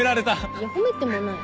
いや褒めてもない。